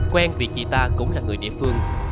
quen vì chị ta cũng là người địa phương